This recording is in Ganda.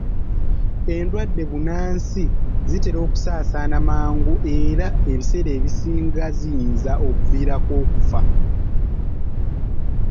Endwadde bbunansi zitera okusaasaana amangu era ebiseera ebisinga ziyinza okkuviirako okufa.